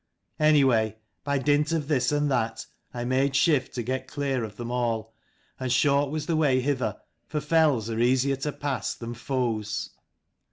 Any way, by dint of this and that, I made shift to get clear of them all ; and short was the way hither, for fells are easier to pass than foes."